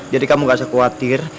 jadi kamu nggak usah khawatir